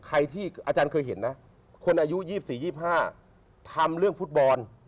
ใครที่อาจารย์เคยเห็นนะคนอายุ๒๔๒๕ทำเรื่องฟุตบอล